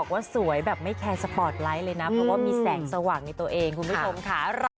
ว่าสวยแบบไม่แคร์สปอร์ตไลท์เลยนะเพราะว่ามีแสงสว่างในตัวเองคุณผู้ชมค่ะ